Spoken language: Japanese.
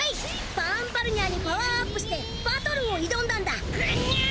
バーンバルニャーにパワーアップしてバトルを挑んだんだ！